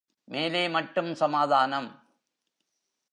மேலே மட்டும் சமாதானம்.